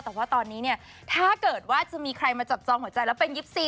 แต่ว่าตอนนี้เนี่ยถ้าเกิดว่าจะมีใครมาจับจองหัวใจแล้วเป็น๒๔